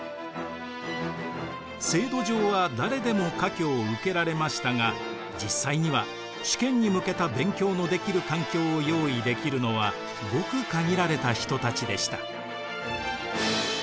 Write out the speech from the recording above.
制度上は誰でも科挙を受けられましたが実際には試験に向けた勉強のできる環境を用意できるのはごく限られた人たちでした。